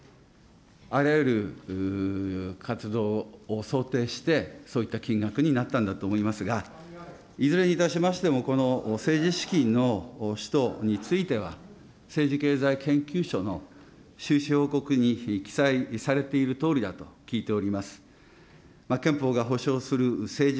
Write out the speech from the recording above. あらゆる活動を想定して、そういった金額になったんだと思いますが、いずれにいたしましても、この政治資金の使途については、政治経済研究所の収支報告に記載されているとおりだと聞いております。